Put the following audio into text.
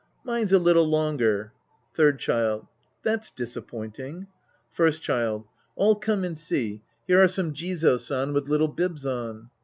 Mine's a little longer. Third Child. That's disappointing. First Child. All come and see ; here are some Jizo San with little bibs on.